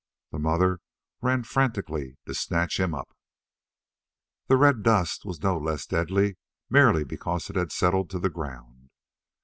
The mother ran frantically to snatch him up. The red dust was no less deadly merely because it had settled to the ground.